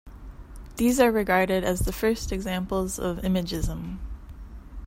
These are regarded as the first examples of Imagism.